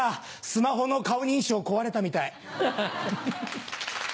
スマホの顔認証壊れたみたい。